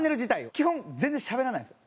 基本全然しゃべらないんですよ。